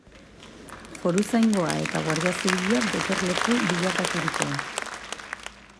Foruzaingoa eta Guardia Zibilak gotorleku bilakaturikoa.